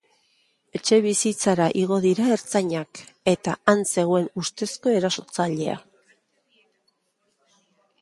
Etxebizitzara igo dira ertzainak, eta han zegoen ustezko erasotzailea.